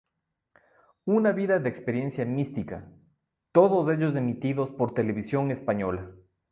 Una vida de experiencia mística", todos ellos emitidos por Televisión Española.